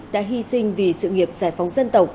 đã hy sinh vì sự nghiệp giải phóng dân tộc